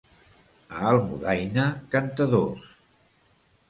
A Almudaina, cantadors.